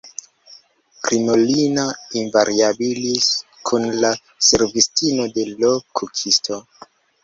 _Crinolina invariabilis_, kun la servistino de l' kukisto.